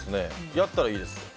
やったらいいです。